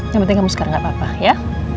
yang penting kamu sekarang gak apa apa ya